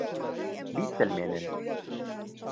بیسەلمێنن!